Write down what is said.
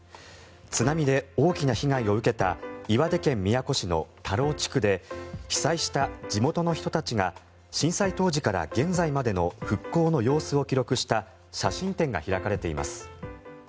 津波で大きな被害を受けた岩手県宮古市の田老地区で被災した地元の人たちが震災当時から現在までの復興の様子を記録した写真展が開かれています。